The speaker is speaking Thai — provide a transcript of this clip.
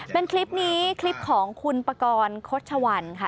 เป็นคลิปนี้คลิปของคุณปกรณ์คดชวันค่ะ